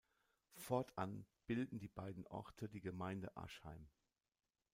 Fortan bilden die beiden Orte die Gemeinde Aschheim.